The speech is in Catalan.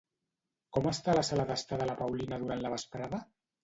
Com està la sala d'estar de la Paulina durant la vesprada?